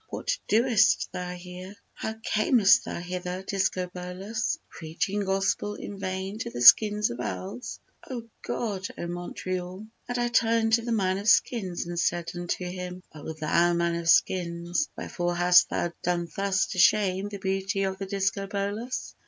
What doest thou here, how camest thou hither, Discobolus, Preaching gospel in vain to the skins of owls?" O God! O Montreal! And I turned to the man of skins and said unto him, "O thou man of skins, Wherefore hast thou done thus to shame the beauty of the Discobolus?"